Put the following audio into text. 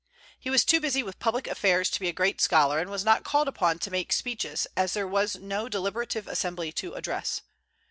He was too busy with public affairs to be a great scholar, and was not called upon to make speeches, as there was no deliberative assembly to address.